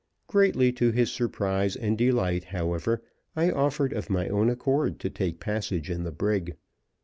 Greatly to his surprise and delight, however, I offered of my own accord to take passage in the brig.